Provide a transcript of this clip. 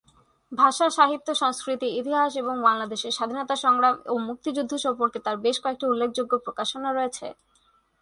ভাষা, সাহিত্য, সংস্কৃতি, ইতিহাস এবং বাংলাদেশের স্বাধীনতা সংগ্রাম ও মুক্তিযুদ্ধ সম্পর্কে তার বেশ কয়েকটি উল্লেখযোগ্য প্রকাশনা রয়েছে।